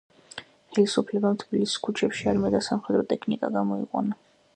ხელისუფლებამ თბილისის ქუჩებში არმია და სამხედრო ტექნიკა გამოიყვანა.